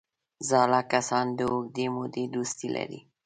زاړه کسان د اوږدې مودې دوستي لري